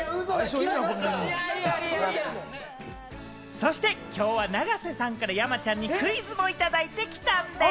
そして、きょうは永瀬さんから山ちゃんにクイズもいただいてきたんでぃす。